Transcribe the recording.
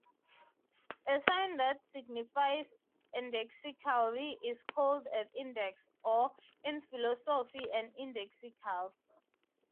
A sign that signifies indexically is called an index or, in philosophy, an indexical.